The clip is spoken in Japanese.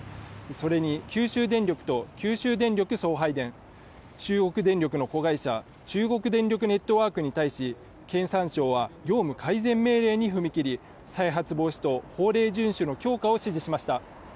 それに九州電力と九州電力送配電、中国電力の子会社、中国電力ネットワークに対し、経産省は業務改善命令に踏み切り再発防止と法令順守の強化を指示しました。